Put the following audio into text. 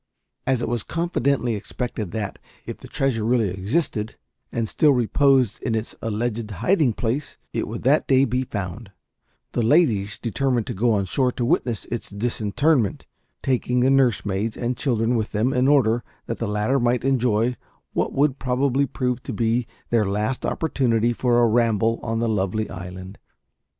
As it was confidently expected that, if the treasure really existed, and still reposed in its alleged hiding place, it would that day be found, the ladies determined to go on shore to witness its disinterment, taking the nursemaids and children with them in order that the latter might enjoy what would probably prove to be their last opportunity for a ramble on the lovely island.